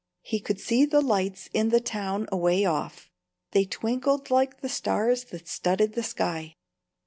He could see the lights in the town away off; they twinkled like the stars that studded the sky.